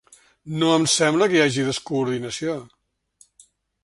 No em sembla que hi hagi descoordinació.